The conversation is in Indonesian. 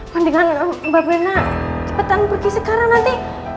mendingan mbak bena cepetan pergi sekarang nanti